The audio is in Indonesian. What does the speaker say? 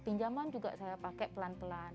pinjaman juga saya pakai pelan pelan